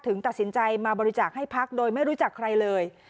ตัดสินใจมาบริจาคให้พักโดยไม่รู้จักใครเลย